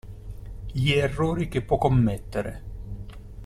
Gli errori che può commettere.